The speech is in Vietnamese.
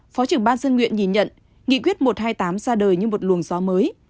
phó trưởng ban dân nguyện nhìn nhận nghị quyết một trăm hai mươi tám ra đời như một luồng gió mới